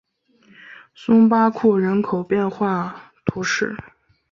松巴库人口变化图示